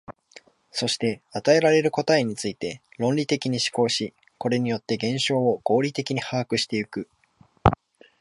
そして与えられる答えについて論理的に思考し、これによって現象を合理的に把握してゆく。